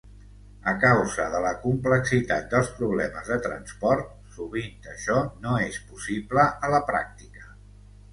A causa de la complexitat dels problemes de transport, sovint això no és possible a la pràctica.